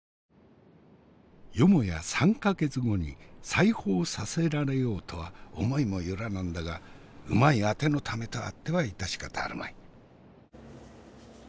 よもや３か月後に再訪させられようとは思いも寄らなんだがうまいあてのためとあっては致し方あるまい。